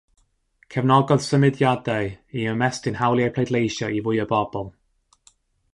Cefnogodd symudiadau i ymestyn hawliau pleidleisio i fwy o bobl.